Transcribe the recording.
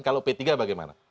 kalau p tiga bagaimana